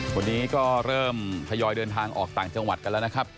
วันนี้ก็เริ่มทยอยเดินทางออกต่างจังหวัดกันแล้วนะครับ